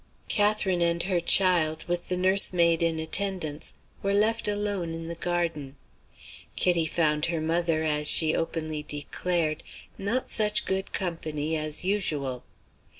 Catherine and her child, with the nursemaid in attendance, were left alone in the garden. Kitty found her mother, as she openly declared, "not such good company as usual."